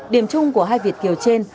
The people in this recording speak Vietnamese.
điểm chung của hai việt kiều trên